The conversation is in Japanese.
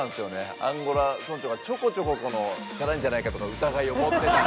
アンゴラ村長がちょこちょこチャラいんじゃないかとか疑いを持ってたから。